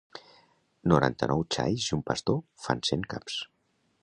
Noranta-nou xais i un pastor fan cent caps.